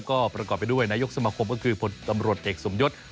ก็ประกอบไปด้วยนายกสมาคมก็คือผลตำรวจเอกสมยศ